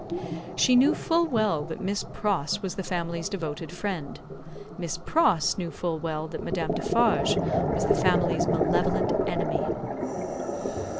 She knew full well that Miss Pross was the family's devoted friend; Miss Pross knew full well that Madame Defarge was the family's malevolent enemy.